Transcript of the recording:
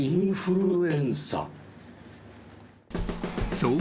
［そう。